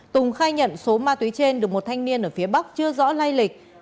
tùng khai nhận số ma túy trên được một thanh niên ở phía bắc chưa rõ lai lịch